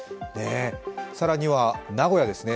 更には名古屋ですね。